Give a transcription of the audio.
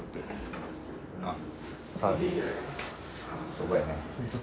そこやね。